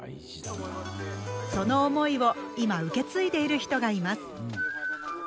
その思いを今、受け継いでいる人がいます。